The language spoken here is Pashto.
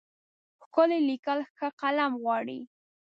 ښکلي لیکل ښه قلم غواړي.